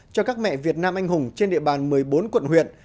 cho các mẹ việt nam anh hùng trên địa bàn một mươi bốn quận huyện